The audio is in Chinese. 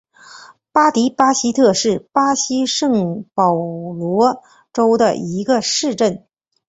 巴迪巴西特是巴西圣保罗州的一个市镇。